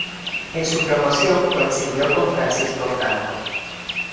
En su promoción coincidió con Francisco Franco.